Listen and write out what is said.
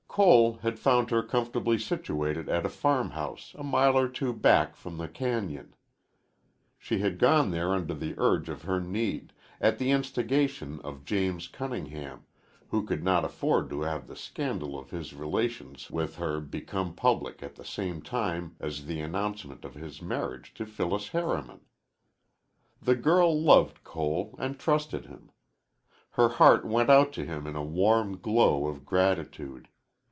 Cole had found her comfortably situated at a farmhouse a mile or two back from the cañon. She had gone there under the urge of her need, at the instigation of James Cunningham, who could not afford to have the scandal of his relations with her become public at the same time as the announcement of his marriage to Phyllis Harriman. The girl loved Cole and trusted him. Her heart went out to him in a warm glow of gratitude.